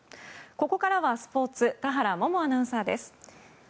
ここからはスポーツ田原萌々アナウンサーです。